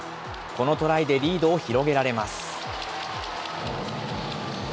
このトライでリードを広げられます。